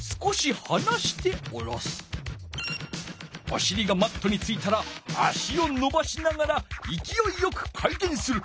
おしりがマットについたら足をのばしながらいきおいよく回転する。